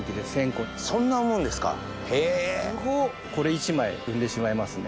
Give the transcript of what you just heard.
これ１枚産んでしまいますね。